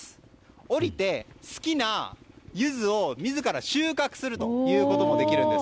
降りて、好きなユズを自ら収穫することもできるんです。